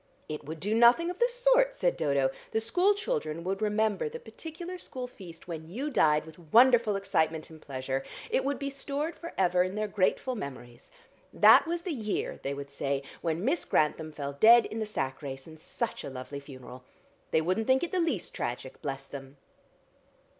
"It would do nothing of the sort," said Dodo. "The school children would remember the particular school feast when you died with wonderful excitement and pleasure. It would be stored for ever in their grateful memories. 'That was the year,' they would say, 'when Miss Grantham fell dead in the sack race, and such a lovely funeral.' They wouldn't think it the least tragic, bless them."